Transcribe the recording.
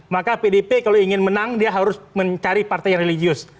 maka pdip kalau ingin menang dia harus mencari partai yang religius